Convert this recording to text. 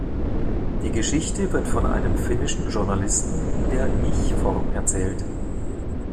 Die Geschichte wird von einem finnischen Journalisten in der Ich-Form erzählt.